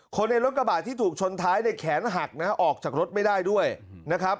คนในรถกระบาดที่ถูกชนท้ายเนี่ยแขนหักนะฮะออกจากรถไม่ได้ด้วยนะครับ